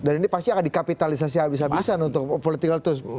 dan ini pasti akan dikapitalisasi habis habisan untuk politik relatus